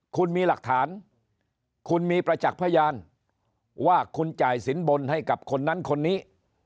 คุณมีหลักฐานคุณมีประจักษ์พยานว่าคุณจ่ายสินบนให้กับคนนั้นคนนี้